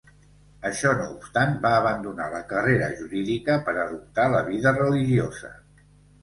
Això no obstant, va abandonar la carrera jurídica per adoptar la vida religiosa.